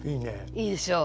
いいでしょう。